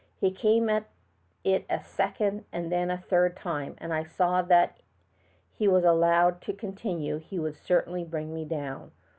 He came at it a second and then a third time, and I saw that if he was allowed to continue he would certainly bring me down.